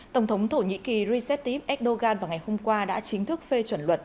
tổng thống thổ nhĩ kỳ recep erdogan vào ngày hôm qua đã chính thức phê chuẩn luật